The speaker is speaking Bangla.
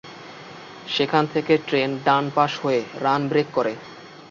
সেখান থেকে ট্রেন ডান পাশ হয়ে রান ব্রেক করে।